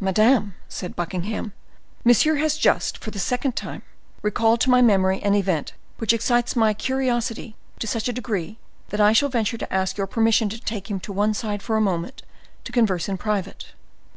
"Madam," said Buckingham, "monsieur has just, for the second time, recalled to my memory an event which excites my curiosity to such a degree, that I shall venture to ask your permission to take him to one side for a moment, to converse in private."